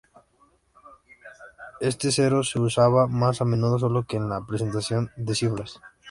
Este cero se usaba más a menudo solo que en la representación de cifras.